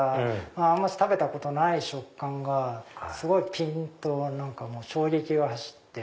あんまり食べたことない食感がすごいピンと衝撃が走って。